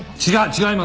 違います！